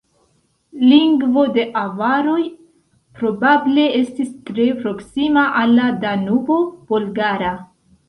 Lingvo de avaroj probable estis tre proksima al la Danubo-Bolgara.